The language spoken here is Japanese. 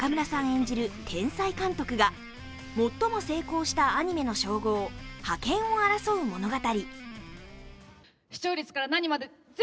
演じる天才監督が最も成功したアニメの称号・ハケンを争う物語。